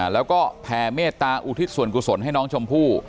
แล้วก็แผ่เมตตาอุทิศส่วนกุศลให้น้องชมพู่